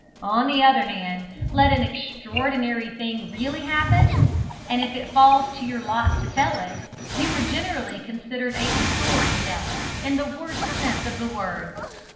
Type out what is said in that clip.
On the other hand, let an extraordinary thing really happen, and if it falls to your lot to tell it, you are generally considered a "story teller" in the worst sense of the word.